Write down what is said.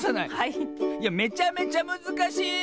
いやめちゃめちゃむずかしい！